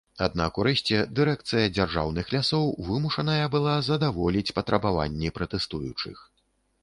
Аднак урэшце дырэкцыя дзяржаўных лясоў вымушаная была задаволіць патрабаванні пратэстуючых.